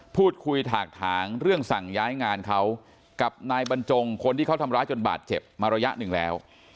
พูดคุยถากถางเรื่องสั่งย้ายงานเขากับนายบรรจงคนที่เขาทำร้ายจนบาดเจ็บมาระยะหนึ่งแล้ว